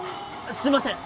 すいません！